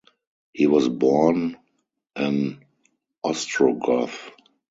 He was born an Ostrogoth.